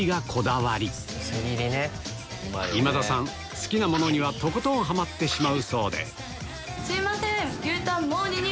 好きなものにはとことんハマってしまうそうですいません！